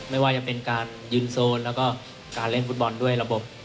ไม่ว่าจะเป็นการยืนโซนแล้วก็การเล่นฟุตบอลด้วยระบบ